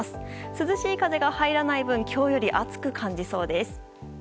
涼しい風が入らない分今日より暑く感じそうです。